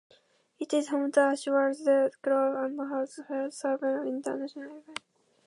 It is home to Ashford Athletics Club, and has held several international events.